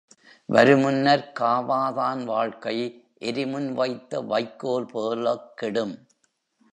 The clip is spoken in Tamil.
வருமுன்னர்க் காவாதான் வாழ்க்கை எரிமுன் வைத்த வைக்கோல் போலக் கெடும்.